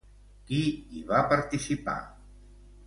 Qui hi va participar?